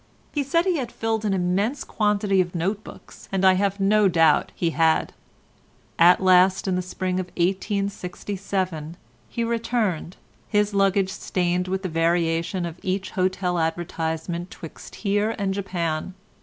He said he had filled an immense quantity of note books, and I have no doubt he had. At last in the spring of 1867 he returned, his luggage stained with the variation of each hotel advertisement 'twixt here and Japan.